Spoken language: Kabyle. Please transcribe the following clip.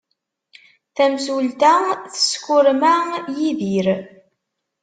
Tamsulta teskurma Yidir.